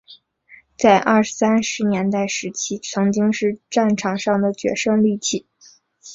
在二三十年代时期曾经是战场上的决胜利器。